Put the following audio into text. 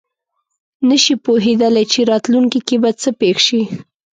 نه شي پوهېدلی چې راتلونکې کې به څه پېښ شي.